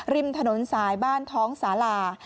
ริมถนนสายบ้านท้องสาลา